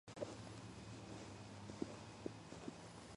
იგი მათი მეხუთე შვილი იყო.